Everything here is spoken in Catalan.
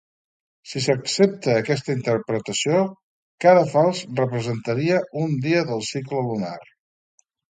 Si s'accepta aquesta interpretació, cada falç representaria un dia del cicle lunar.